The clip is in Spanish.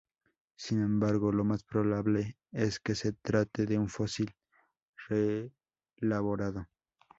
Sin embargo, lo más probable es que se trate de un fósil reelaborado.